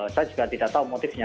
saya juga tidak tahu motifnya